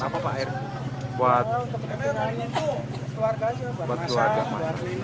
pertama air buat keluarga